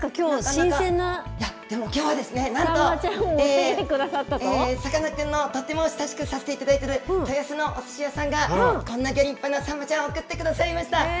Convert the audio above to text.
きょうはなんと、さかなクンのとっても親しくさせていただいて、豊洲のおすし屋さんがこんなギョ立派なサンマちゃんを送ってくださいました。